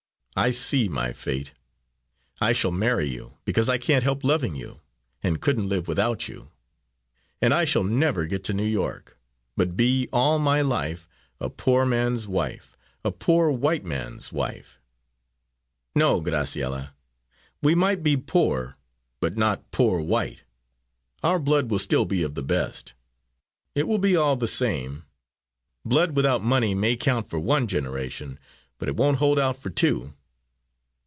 "I see my fate! I shall marry you, because I can't help loving you, and couldn't live without you; and I shall never get to New York, but be, all my life, a poor man's wife a poor white man's wife." "No, Graciella, we might be poor, but not poor white! Our blood will still be of the best." "It will be all the same. Blood without money may count for one generation, but it won't hold out for two."